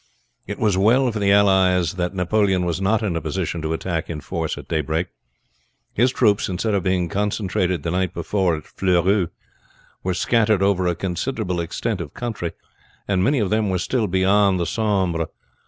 It was well for the allies that Napoleon was not in a position to attack in force at daybreak. His troops, instead of being concentrated the night before at Fleurus, were scattered over a considerable extent of country, and many of them were still beyond the Sambre.